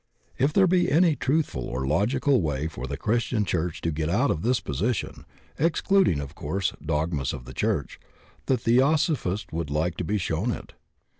If Aere be any truthful or logical way for the Christian church to get out of this position — excluding, of course, dogmas of the church — ^the theosophist would like to be shown it.